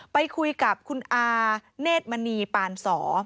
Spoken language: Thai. ไปคุยกับคุณอาเนธมณีปานสอ